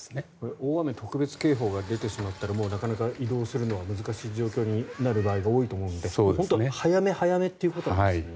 大雨特別警報が出てしまったらなかなか移動するのは難しい状況になる場合が多いと思うので本当に早め早めということなんですね。